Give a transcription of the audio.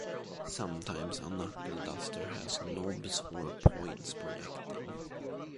Sometimes a knuckle-duster has knobs or points projecting.